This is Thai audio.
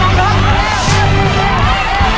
สวัสดีครับ